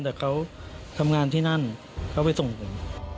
แต่เขาทำงานที่นั่นเขาไปส่งผม